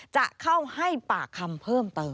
จะเข้าให้ปากคำเพิ่มเติม